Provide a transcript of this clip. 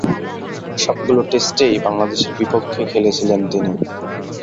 সবগুলো টেস্টই বাংলাদেশের বিপক্ষে খেলেছিলেন তিনি।